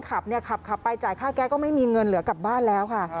ขับเนี่ยขับไปจ่ายค่าแก๊สก็ไม่มีเงินเหลือกลับบ้านแล้วค่ะ